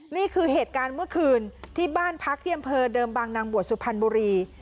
นี่คือเหตุการณ์เมื่อคืนที่บ้านพักที่อำเภอเดิมบางนางบวชสุพรรณบุรี